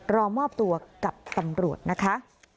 รอมอบตัวกับตำรวจนะคะ